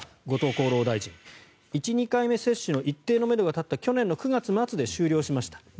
後藤厚労大臣１２回目接種の一定のめどが立った去年９月末で終了しました。